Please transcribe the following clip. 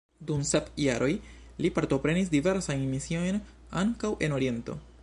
Dum sep jaroj li partoprenis diversajn misiojn, ankaŭ en oriento.